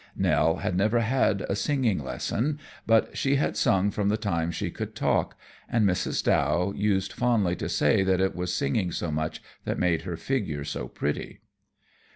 Nell had never had a singing lesson, but she had sung from the time she could talk, and Mrs. Dow used fondly to say that it was singing so much that made her figure so pretty.